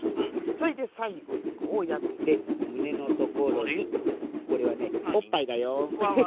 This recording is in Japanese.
それでさいごにこうやってむねのところにこれはねおっぱいだよ。